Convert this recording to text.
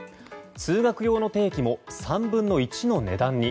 通学用の定期も３分の１の値段に。